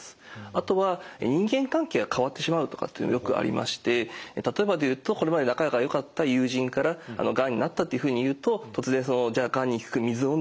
あとは人間関係が変わってしまうとかっていうのよくありまして例えばで言うとこれまで仲がよかった友人からがんになったっていうふうに言うと突然「じゃあがんに効く水を飲んでみたらどう？」